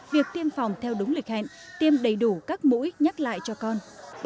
việc tiêm phòng theo đúng lịch hẹn tiêm đầy đủ các mũi nhắc lại cho con